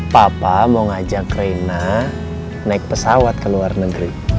papa mau ngajak reina naik pesawat ke luar negeri